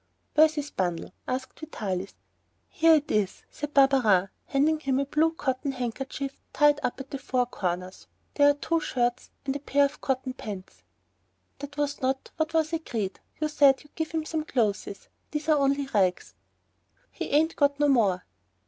"Where's his bundle?" asked Vitalis. "Here it is," said Barberin, handing him a blue cotton handkerchief tied up at the four corners. "There are two shirts and a pair of cotton pants." "That was not what was agreed; you said you'd give some clothes. These are only rags." "He ain't got no more."